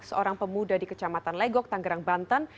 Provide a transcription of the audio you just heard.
seorang pemuda di kecamatan legok tanggerang banten